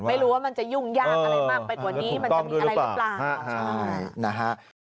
ไม่รู้ว่ามันจะยุ่งยากอะไรมากไปกว่านี้มันจะมีอะไรหรือเปล่าใช่นะฮะ